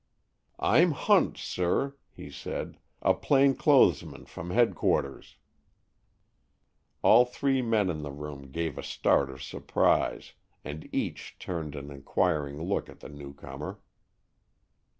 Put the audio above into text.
"I'm Hunt, sir," he said, "a plain clothes man from headquarters." The three men in the room gave a start of surprise, and each turned an inquiring look at the newcomer.